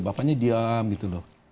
bapaknya diam gitu loh